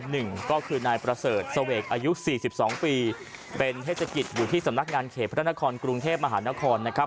หนึ่งก็คือนายประเสริฐเสวกอายุสี่สิบสองปีเป็นเทศกิจอยู่ที่สำนักงานเขตพระนครกรุงเทพมหานครนะครับ